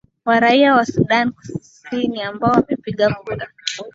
ya raia wa sudan kusini ambao wamepiga kura